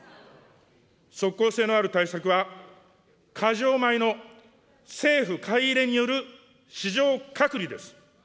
即効性のある対策は、過剰米の政府買い入れによる市場隔離です。